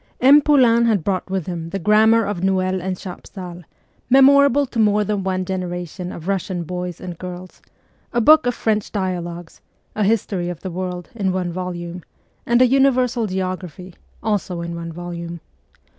M. Poulain had brought with him the grammar of Noel and Chapsal, memorable to more than one generation of Russian boys and girls ; a book of French dialogues ; a history of the world, in one volume ; and a universal geography, also in one volume.